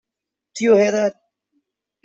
Do you hear that?